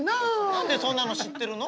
何でそんなの知ってるの？